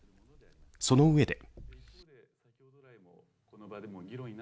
そのうえで。